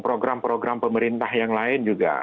program program pemerintah yang lain juga